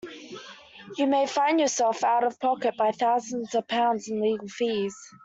You may find yourself out of pocket by thousands of pounds in legal fees.